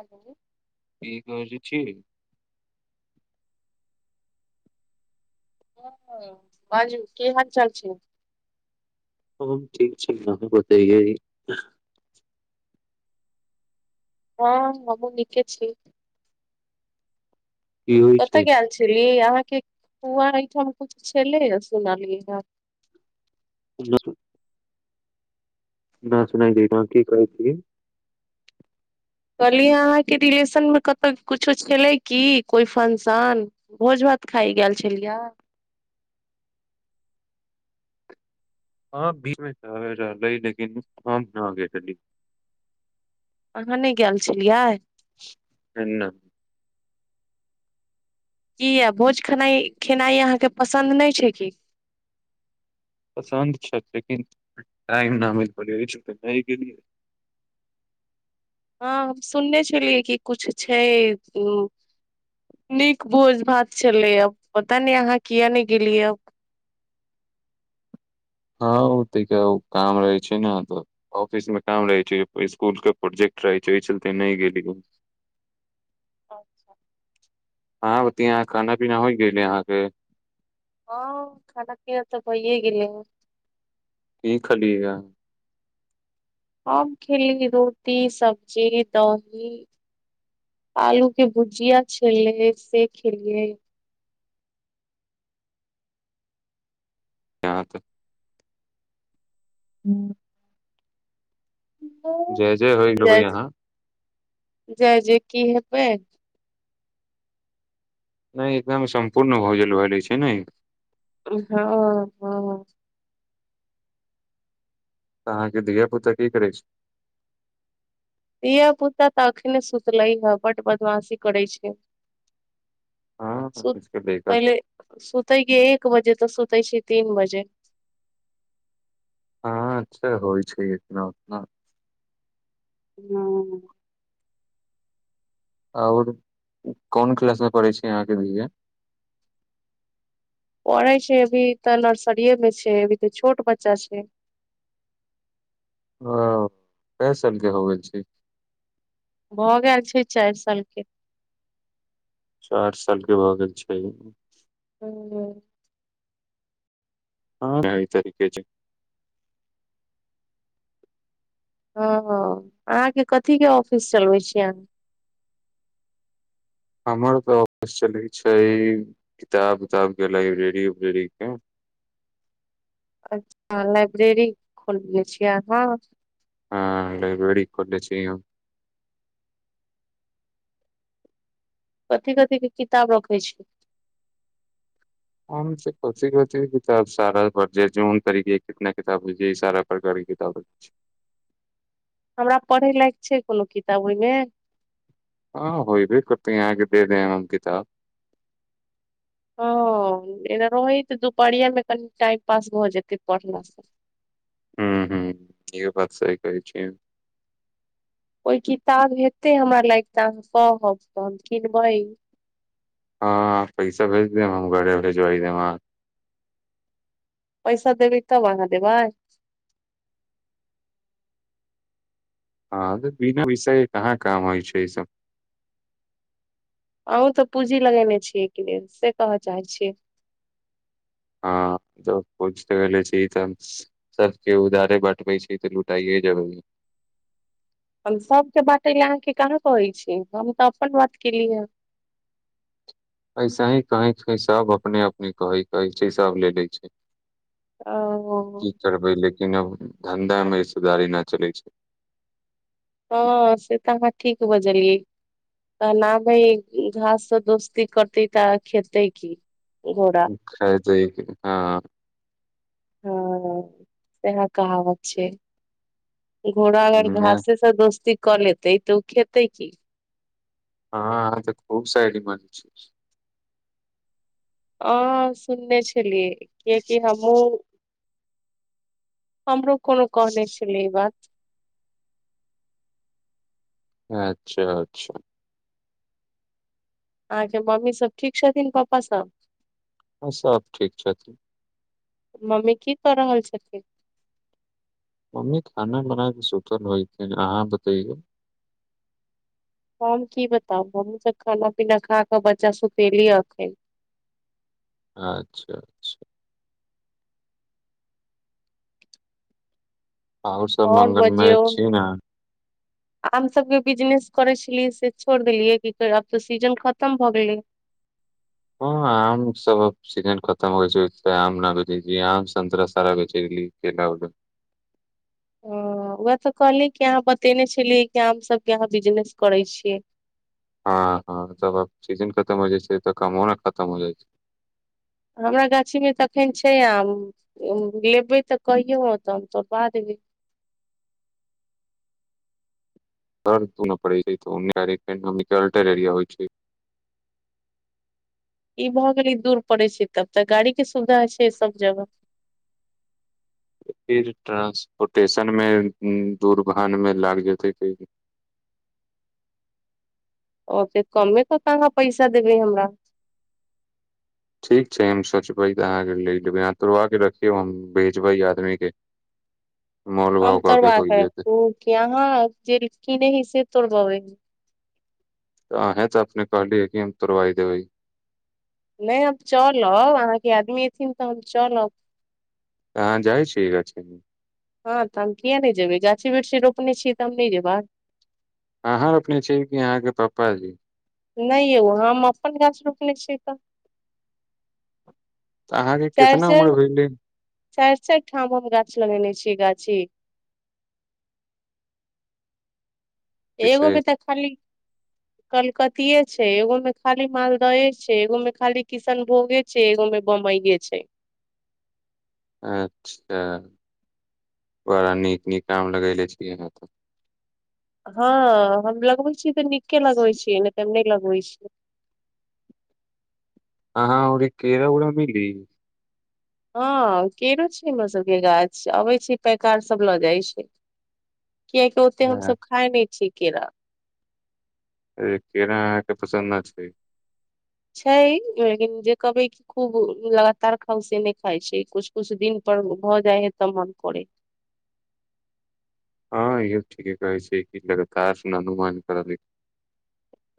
hello ई कह [unintelligible] ज छी हॅं बाजू कि हाल चाल छै सब ठीक छी अहाँ बडैए हँ हमू नीके छी की होइ कतय छै गेऽल छलीयैया अहाँके फुआ अइ ठाम कुछ छलै या सुनलियैया ब [inaudible] न सुनाइ देत य कि कहै छी कहलिय अहाँके रिलेशन मे कतहु कुछो छलै की कोइ फंशन भोज भात खाय गेल छलियए ह बीच मे रहलै लेकिन [unintelligible] और भऽने गेल छलियै न कीटया भोज खेनाइ खेनाइ अहाँके पसन्द नहि छै की पसन्द छथि लेकिन टाइम न मिल पड़ै त नहि गेलियै हँ सुनने छलियै कि कुछ छै उ नीक भोज भात छलैया पता नै अहाँ किया ने गेलियैया हँ ओ तऽ क काम रहै छै ने तऽ ऑफिस मे काम रहै छै स्कुल के प्रोजेक्ट रहै छै एहि चलते नहि गेली अच्छा हँ बतिया खाना पीना होय गेलै यहाँ के हँ खाना पीना तऽ भइये गेलैहैं कि खलीयै है हम खेली रोटी सब्जी दही आलू के भुजिया छेल्ले से खेलियै य तऽ हूँ जय जय होइ गेल हभै अहाँ जै जै की हेबै नहि इतना मे सम्पूर्ण भौजलव [unintelligible] लै छै ने हँ तऽ अहाँ के धिया पुता की करै छै धिया पुता तऽ अखने सुतलै ह बड बदमाशी करै छै हँ सु लड़का सब पहिले सुतै के एक बजे तऽ सुतै छी तीन बजे हँ अच्छा होइ छै इतना उतना हँ आ ओर कोन क्लास मे पढ़े छी अहाँ के धीया पढ़ै छै अभी तऽ नर्सरीे मे छै अभी तऽ छोट बच्चा छै औ ते चलते होब गेल छै भऽ गेल छै चारि साल के चारि साल के भऽ गेल छै हू हँ ई त छै ह अहाँके कथी के ऑफिस चलबे छीियै हमर तऑफस चलै छै किताब उतााब के लाइब्रेरी उब्रेरी के अच्छा लाइब्रेरी खोलले छियै हहाँ बे कथिी कथी के किताब रखै छी हम कथ कथ किताब सारा पढ़न तरीके के कितना किताब हो सारा सरकारी किताब हमरा पढ़य लायक छै कोनो किताब ओहिमे ह होयी कोतन आ देे देन अनकीत हँ ए रहै तऽ दुपहरिया मे कनि टाइम पास भऽ जेतै पढ़ला से हू हू ईहो बात सह कहै छी ओहि किताब हेते हमर लागक तऽ अहाँ कहब त हम किनबै हँ पैसा भेज देम हम घरे भेजाई देबाँ पैसा देबै तब अहाँ देबै ह बिना विषय कहाँ काम होइ छै सब अहँ तऽ पूंजी लगेने छीयैएहिके लेल से कहऽ चाहै छी आ पल चीत सबके उधारे बँटबै छै तऽ लुटाइए जबै हम सबके बटेलए अहाँके कहाँ कहै छी हम तऽ अपन बात केलिय ह ऐसे ही कही कह सब अपने अपने कहै कहै छै सब ले ले छै ओ की करबै लेकिन अब धंधा मे हिस्सेदारी नहि चलै छै हँ से तऽ हमहाँ ठीक बजलियै त न भै घास दोस्ती करतै तऽ खेतै क घोड़ा ख हँ हँ से कहावत छै घोड़ा अगर घास दोस्ती कऽ लेतै तऽ ओ खेतै की हँ तऽ खूब साायड माज छै ह सुनने छलियै कियकि हमहुँ हमरो कोनो कह नहि छलै ई बात अच्छा अच्छा अहाँके मम्मी सब ठीक छथिन पपापा सब ह सब ठीक छथिन मम्मी की कऽ रहल छथिन मम्मी खाना बनाय के सुल होय छै अहाँ बतेयऔ हम की बताब हमूँ सब खाना पीना खाके बच्चा सुतेली एखन अच्छा अच्छा आहु सब आओर म्गलमेय बजियौ छी ने आम सबके बिजनेस करे छलियै से छोड़ देलियै की आब तऽ सीजन खतम भऽ गेलै हँ आम सभ सीजन खतम होइ छैऽ आम न बेचै छै आम सतरा सब बेचेछी ह उएह तऽ कहली कि अहाँ बतेने छलियै कि हम फल सब केबिजनेस करै छियै हँ हँ तबब सीजन खतम हो जाइ छै तऽ कमो ने खतम हो जाइ छै हमरा गाछी मे त अखन छै आ लेबे तऽ कहियौत हम तोर ब देबे त न पड़ै छै ओलटर एरिया होइ छै ई भए गेलै दूर पड़े छै तब तऽ गाड़ी के सुविधा छै सब जगह फिर ट्रानंसपोर्टेशन मे दूर आबैमे लाग जेतै क ओत कमे कऽ काँ पैसा देबै हमरा ठीक छै हम सोचबै त अहाँ के ले जेबै अह तोड़ के रखियौ हम भेजबै आदमी के [unintelligible] मोल आम भाव कऽ के तोड़बाक होइ जेतै रखु कि अहाँ जे खेने थिए से तोड़बबे त अहे त अपने कहली ह की तोरवा देबै नहि हम चलब अहाँके आदमी एथिन तऽ हम चलब अहाँ जाइ छीए गाछी मे हँ तऽ हम किया नहि ज जेबै गाछी वृक्षी रोपने छियै तऽ हम नहि जेबह अहां रुपने छी की आहाँ के पाप जी नहि यौ हम अपन गाछ रोपने छी तऽ तऽ अहाँके चारि कितना चारि उम्र भेलै चारि चारि ठाम हम गाछ लगेने छिय गाछी छै एगोमे तऽ खाली कलकतिेयाछै एगो में खाली मालदाहे छै एगो में खाली किशनभोगे छै सेबो बेचैछी छै अच्छा बड़ा नीक नीक कम लगले छियै अह तऽ हँ हम लगबै छीियै तऽ नीके लगबे छीियै नहि त हम नहि लगबै छीियै आ हँ ओरे कीरा उरा मिली हँ केरो छै हमर सबके गाछ अबै छै पैकार सब लऽ जाइ छै कियकि ओते हमस अरे खााय नहि छियै केरा अ केना के पसन्द छै इ्छा ह जेे कहबै खूब लगातार खाउ से नहि खाइ छै कु कुछु दिन पर भऽ जाइ है तऽ मन करे ह इहो ठीके कहै छिए ल त अनुमान कर के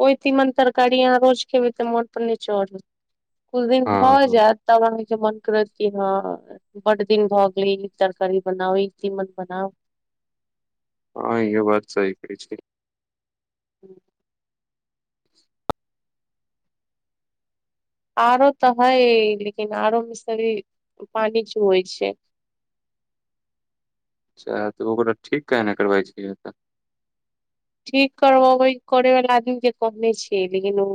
ओहि तीमन तरकारी यहाँ रोज खेबै तऽ मोन पर नै चढ़त कुछु दिन हँ भऽ हँ जायत तब अहाँ के मन करत कि हँ बड दिन भ गेल ई तरकारी बनाउ ई तीमन बनाओ हँ इहो बात सही कहै छी ह्म आरो तऽ है लेकिन आरो मे से अभी पानि चुवइ छै अच्छा तऽ ओकरा ठीक काहे ने करबै छियै तऽ ठीक करबै करै वाला आदमी के कहने छियै लेकिन ओ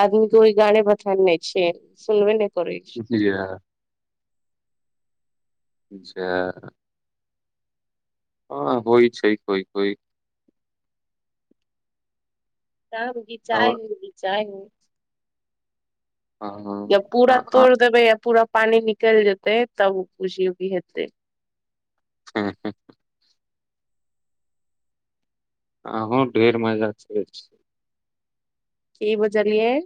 आदमी के ओहि गारे बथान ने छै सुनबे नहि करै छै जी ह जा हँ होइ छै कोइ कोइ तह आओर घिचाय हइ घिचाय है अहाँ या पूरा अहाँ तोड़ि देबै या पूरा पानी निकलि जेतै तब ओ कुछ हेतै हँ हँ अँहा ढेर मजाक करै छिए की बजलिय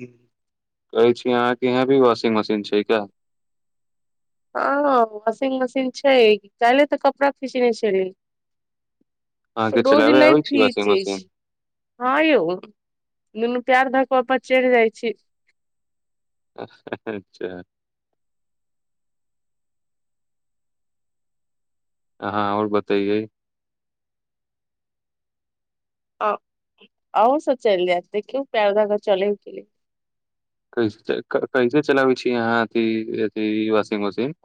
कहै छी अहाँके यहाँ भी वाशिंग मशीन छै का हँ वॉशिंग मशीन छै काल्हिऐ तऽ कपड़ा खिचने छली अहाँके रोज चलाबे नहि आबै छी वॉशिंग फीचै छी मशीन हँ यौ दुनू पैर धक उपर चढ़ि जाइ छी अच्छा हँ आओर बतैइए अ एहो स चेल जेते कि [unintelligible] कैसे कैसे चलाबै छी यहाँ अथी अथी वाशिंग मशीन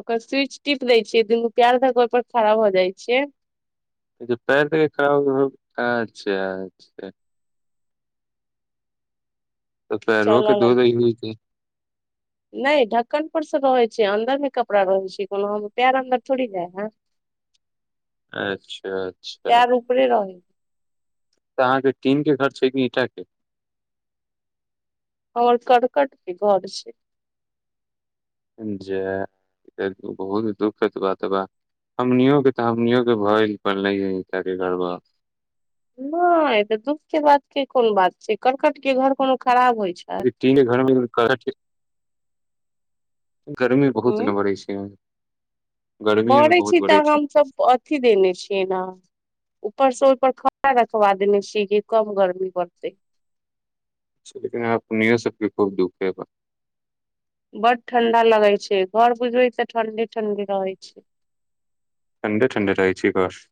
ओकर स्विच टीप दय छियै दुनू प्यार धऽक ओहि पर खड़ा भ जाय छियै पैर ध के खरा अच्छा अच्छा तऽ पैरो के चलऽ डोल्बै होइबे [unintelligible] नइ ढक्कन पर स रहै छै अंन्दर मे कपड़ा रहै छै कोनो हम पैर अन्दर थोड़ी जाय है अच्छा अच्छा पैर ऊपरे रहै तऽ अहाँके टीन के घर छै की ईंटा के हमर करकट के घर छै जे बहुत दुःखत बात बा हमनियो के तऽ हमनियो के भय पले के गड़बा नइ तऽ दुःख के बात के कोन बात छै कर्कट के घर कोनो खराब होइ छै टीन घरमे गर्मी गर्मी बहुत ने पड़ै छै गर्मी मे बरै बहुत छी तऽ बढ़ै छै हमसब अथी देने छियै न ऊपर स ओइप पर खपड़ा रखवा देने छिय कि कम गर्मी पड़तै लेकिन आ अपहो सबके खूब दुःख ह ब [unintelligible] [unintelligible] बड ठंडा लगै छै घर बुझबै तऽ ठंडे ठंडे रहे छै ठण्डे ठंडे रहै छै घर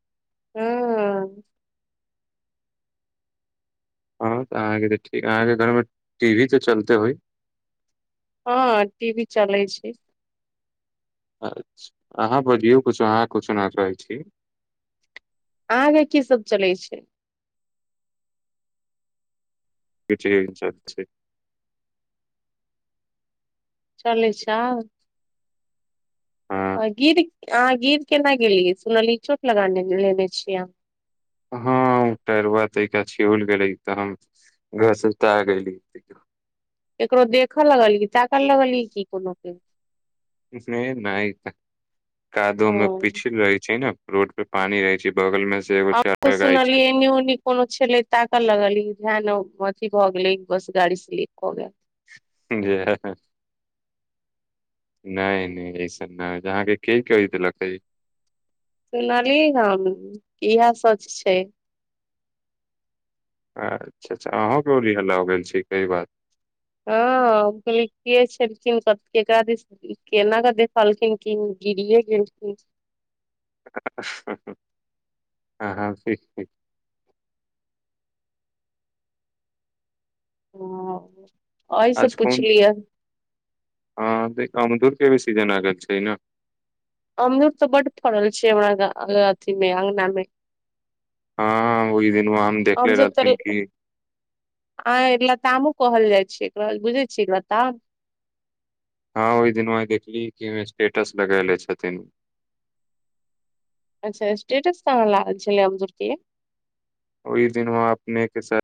ह हँ त अहाँके ठीक अहाँ के घर मे टी वी त चलते होइ हँ टी बी चलै छै अछ अहाँ बजियौ कुछु अहाँ कछुना चाहै छी आहाँ के की सब चलै छै बेचैन सब छै [unintelligible] चलै छौ हँ आहां गीर आहां गीर केना गेलिए सुनलीय चोट लगा लेने छीय आहां हँ उ टायरबा कनि छिहुल गेली तऽ हम घसटा गेली ककरो देखऽ लगली ताकऽ लगलिय की कोनो केे नइ नइ नइ कादो मे हँ पितर र छै ना रोड पे पानी रहै छै बगल मे अब त सुनलिए एनिउनि कोनो छले ताकऽ लगल ई ध्यान अथी भऽ गेलै बस गाड़ी स्लीप क गएल ज [unintelligible] [unintelligible] नइ नइ ऐसन ना अहाँके के कहि देलक अइ सुनलियै हम इएह सच छै अच्छा अच्छा अहूं के औरि हल्ला हो गेल छै कई बात हँ हम कहलिए के छै केकरा दिस केना क देखलखिन कि गिरीए गेलखिन हँ हँ ठीक ठीक [unintelligible] ओ अइसँ आज कोन पुछलिय हँ देखक अमधूर के भी सीजन आगेल छै ने अमरूद तऽ बड फड़ल छै हमरा अथी मे अंगना मे हँ ओइ दिन वह हम देखले रहथिन कि आंय लतामो कहल जाइ छैै एकरा बुझै छीयै लताम हँ ओइ दिन वा देखली कि स्टेटस लगैले छथिन अच्छा स्टेटस कहाँ लागल छलै अमजब कि ओइ दिन मे अपनेके सथ